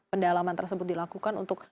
pendalaman tersebut dilakukan untuk